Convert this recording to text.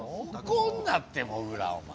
怒んなってもぐらお前。